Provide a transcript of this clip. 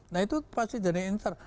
nah itu pasti jadi inter